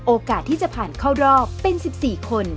โอกาสที่จะผ่านเข้ารอบเป็น๑๔คน